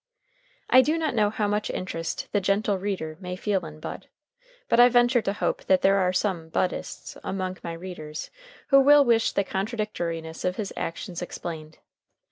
I do not know how much interest the "gentle reader" may feel in Bud. But I venture to hope that there are some Buddhists among my readers who will wish the contradictoriness of his actions explained.